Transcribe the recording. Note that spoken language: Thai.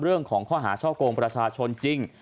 เรื่องของข้อหาช่อกงประชาชนจริง